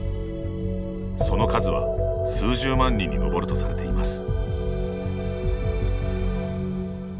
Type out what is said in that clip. その数は数十万人に上るとされています。